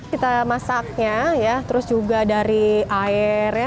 kita masaknya ya terus juga dari airnya